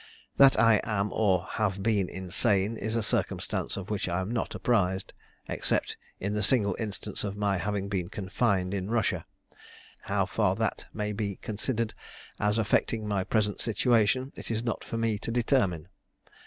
That I am or have been insane is a circumstance of which I am not apprised, except in the single instance of my having been confined in Russia; how far that may be considered as affecting my present situation, it is not for me to determine.